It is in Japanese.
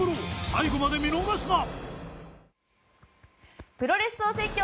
最後まで見逃すな！